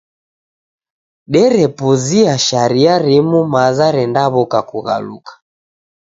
Derepuzia sharia rimu maza rendaw'oka kughaluka.